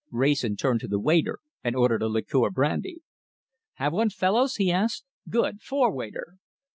Wrayson turned to the waiter and ordered a liqueur brandy. "Have one, you fellows?" he asked. "Good! Four, waiter."